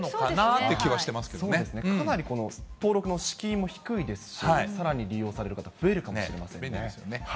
そうですね、かなり登録の敷居も低いですし、さらに利用される方、増えるかも便利ですよね。